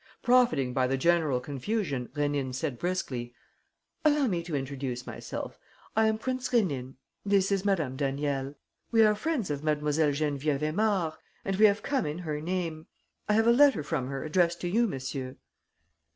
Profiting by the general confusion, Rénine said briskly: "Allow me to introduce myself. I am Prince Rénine. This is Madame Daniel. We are friends of Mlle. Geneviève Aymard and we have come in her name. I have a letter from her addressed to you, monsieur."